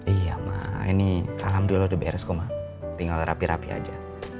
iya ma ini alhamdulillah udah beres kok ma tinggal rapi rapi aja